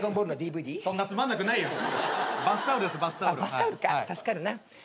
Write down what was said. バスタオルか助かるな。